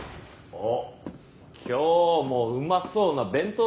おっ今日もうまそうな弁当だね。